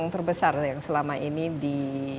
yang terbesar yang selama ini di